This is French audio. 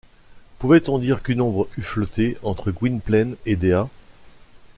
Pouvait-on dire qu’une ombre eût flotté entre Gwynplaine et Dea?